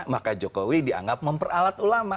maka jokowi dianggap memperalat ulama